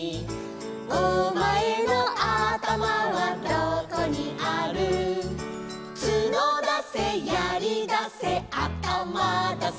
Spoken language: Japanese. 「お前のあたまはどこにある」「角だせやりだせあたまだせ」